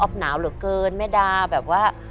หนาวเหลือเกินแม่ดาแบบว่า